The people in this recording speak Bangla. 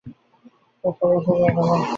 সে আছাড় খাইয়া পড়িয়া গেল।